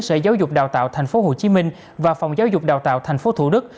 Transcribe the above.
sở giáo dục đào tạo tp hcm và phòng giáo dục đào tạo tp thủ đức